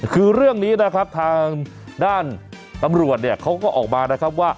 คือเรื่องนี้นะครับทางด้านตำรวจเนี่ยเขาก็ออกมานะครับว่า